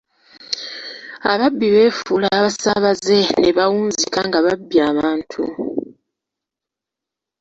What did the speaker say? Ababbi beefuula abasaabaze ne bawunzika nga babbye abantu.